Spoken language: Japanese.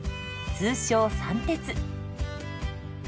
通称三鉄。